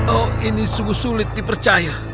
oh ini sungguh sulit dipercaya